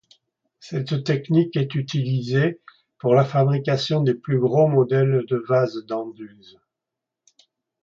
Cette technique est utilisée pour la fabrication des plus gros modèles de vases d'Anduze.